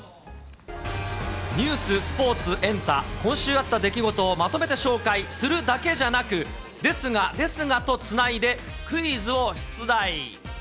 ニュース、スポーツ、エンタ、今週あった出来事をまとめて紹介するだけじゃなく、ですがですがとつないで、クイズを出題。